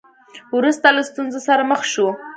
وروسته له ستونزو سره مخ شو.